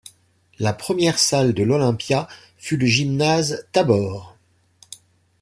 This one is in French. La première salle de l'Olimpija fut le gymnase Tabor.